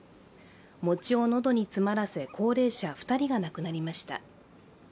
餅を喉に詰まらせ高齢者２人が亡くなりました。